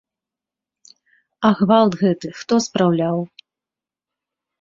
А гвалт гэты хто спраўляў?